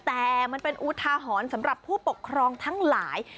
แต่มันเป็นอุทาหรณ์สำหรับผู้ปกครองทั้งหลาย